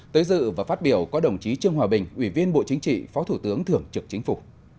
tới dự và phát biểu có đồng chí trương hòa bình ủy viên bộ chính trị phó thủ tướng thưởng trực chính phủ